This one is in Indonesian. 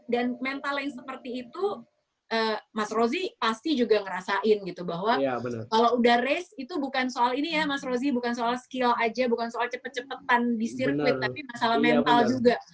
dan mental yang seperti itu mas rosie pasti juga ngerasain gitu bahwa kalau udah latihan itu bukan soal ini ya mas rosie bukan soal skill aja bukan soal cepet cepetan di sirkuit tapi masalah mental juga